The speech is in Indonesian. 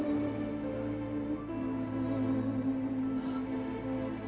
emang oakeng tak tahan juga